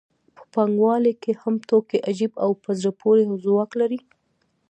په پانګوالۍ کې هم توکي عجیب او په زړه پورې ځواک لري